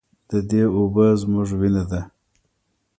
د دې اوبه زموږ وینه ده